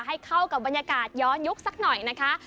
ให้เข้ากับบรรยากาศย้อนยุคสักหน่อยนะคะ